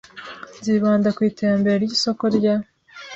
Nzibanda ku iterambere ry isoko rya